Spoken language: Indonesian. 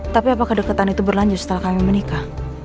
tapi apa kedeketan itu berlanjut setelah kami menikah